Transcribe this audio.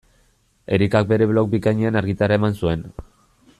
Erikak bere blog bikainean argitara eman zuen.